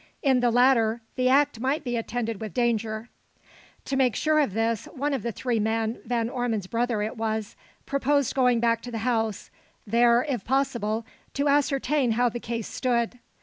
In the latter, the act might be attended with danger. To make sure of this, one of the three men Van Ormon's brother it was proposed going back to the house, there, if possible, to ascertain how the case stood.